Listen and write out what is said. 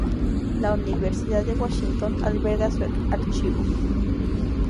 La Universidad de Washington alberga su archivo.